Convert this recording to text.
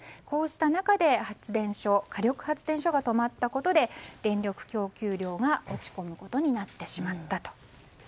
こうした中で、発電所火力発電所が止まったことで電力供給量が落ち込むことになってしまったと。